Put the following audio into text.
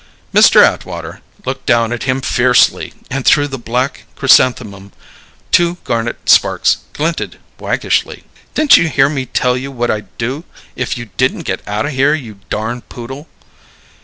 Mr. Atwater looked down at him fiercely, and through the black chrysanthemum two garnet sparks glinted waggishly. "Didn't you hear me tell you what I'd do if you didn't get out o' here, you darn poodle?"